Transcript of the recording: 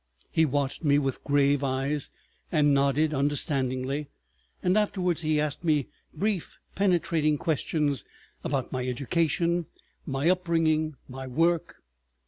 He watched me with grave eyes and nodded understandingly, and afterwards he asked me brief penetrating questions about my education, my upbringing, my work.